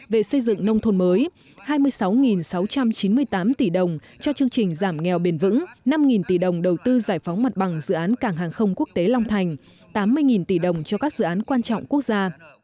về xây dựng nông thôn mới hai mươi sáu sáu trăm chín mươi tám tỷ đồng cho chương trình giảm nghèo bền vững năm tỷ đồng đầu tư giải phóng mặt bằng dự án cảng hàng không quốc tế long thành tám mươi tỷ đồng cho các dự án quan trọng quốc gia